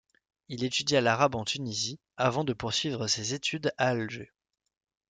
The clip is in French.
Il étudia l'arabe en Tunisie, avant de poursuivre ses études à Alger.